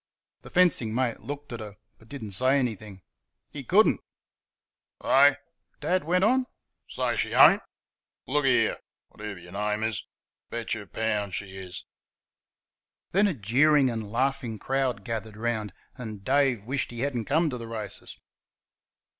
The fencing mate looked at her, but did n't say anything; he could n't. "Eh?" Dad went on; "say sh'ain't? L'ere ever y' name is betcher pound sh'is." Then a jeering and laughing crowd gathered round, and Dave wished he had n't come to the races.